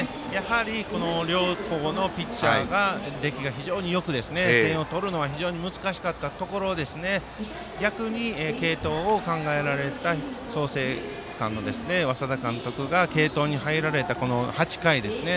両校のピッチャーが出来が非常によく点を取るのは非常に難しかったところで逆に継投を考えられた創成館の稙田監督が継投に入られた８回ですね。